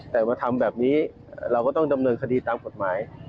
แต่มาทำแบบนี้เราก็ต้องดำเนินคดีตามกฎหมาย